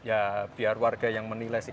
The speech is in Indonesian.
ya biar warga yang menilai sih